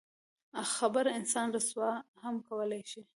خبره انسان رسوا هم کولی شي.